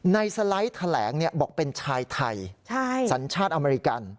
สไลด์แถลงบอกเป็นชายไทยสัญชาติอเมริกัน